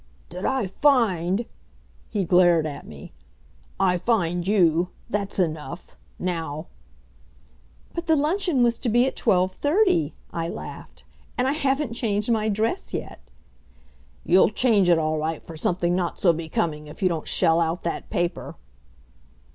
"Did I find " He glared at me. "I find you; that's enough. Now " "But the luncheon was to be at twelve thirty," I laughed. "And I haven't changed my dress yet." "You'll change it all right for something not so becoming if you don't shell out that paper."